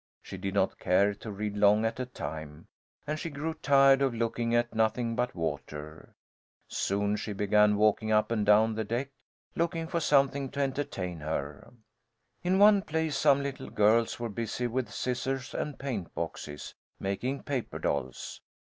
She did not care to read long at a time, and she grew tired of looking at nothing but water. Soon she began walking up and down the deck, looking for something to entertain her. In one place some little girls were busy with scissors and paint boxes, making paper dolls.